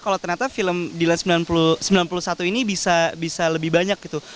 kalo ternyata film di line sembilan puluh satu ini bisa lebih banyak gitu